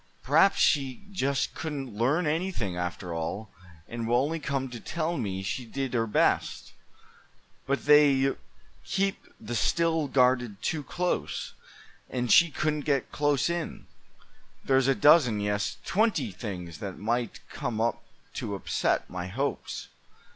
Perhaps she just couldn't learn anything, after all, and will only come to tell me she did her best; but they keep the Still guarded too close, and she couldn't get close in. There's a dozen, yes, twenty things that might come up to upset my hopes.